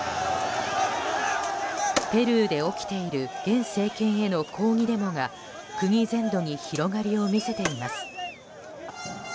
ペルーで起きている現政権への抗議デモが国全土に広がりを見せています。